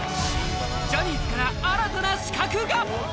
ジャニーズから新たな刺客が！